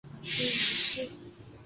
何塞还致使大量船只遗失。